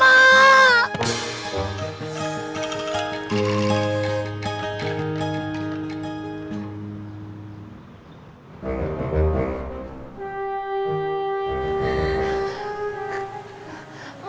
mak naik ke bis yang sebelumnya